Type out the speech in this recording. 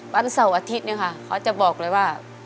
วันเสาร์อาทิตย์เนี่ยค่ะเขาจะบอกเลยว่า